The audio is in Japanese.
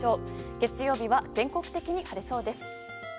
月曜日は全国的に晴れそうです。